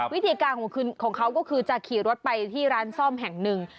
วิธีการของเขาก็คือจะขี่รถไปที่ร้านซ่อมแห่งหนึ่ง